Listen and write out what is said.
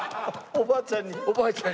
おばあちゃんに。